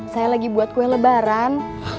saya lagi buat kue lebaran